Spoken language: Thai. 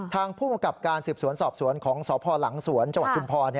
ทางภูมิกับการสืบสวนสอบสวนของสพหลังสวนจังหวัดชุมพร